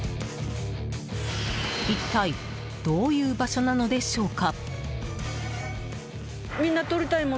一体どういう場所なのでしょうか。